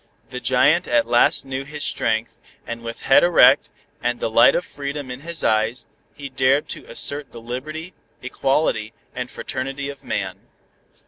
The giant at last knew his strength, and with head erect, and the light of freedom in his eyes, he dared to assert the liberty, equality and fraternity of man.